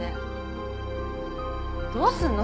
どうすんの？